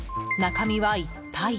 中身は一体。